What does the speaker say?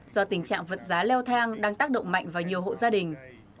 do tình trạng vật giá leo thang đang tác động mạnh vào nhiều hộ gia đình